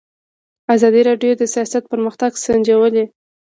ازادي راډیو د سیاست پرمختګ سنجولی.